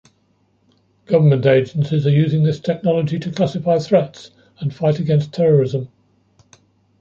Government agencies are using this technology to classify threats and fight against terrorism.